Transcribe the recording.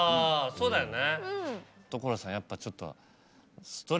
そうだね。